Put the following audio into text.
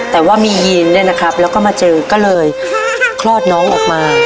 แต่ว่ามียีนเนี่ยนะครับแล้วก็มาเจอก็เลยคลอดน้องออกมา